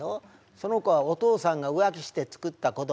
その子はお父さんが浮気してつくった子供。